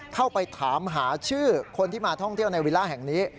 เข้าไปถามหาชื่อคนที่มาท่องเที่ยวในวิลล่าแห่งนี้